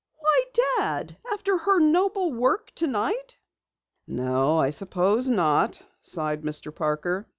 "Why, Dad! After her noble work tonight!" "No, I suppose not," sighed Mr. Parker.